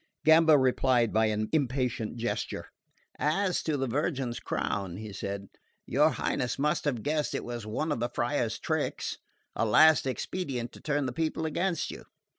Gamba replied by an impatient gesture. "As to the Virgin's crown," he said, "your Highness must have guessed it was one of the friars' tricks: a last expedient to turn the people against you.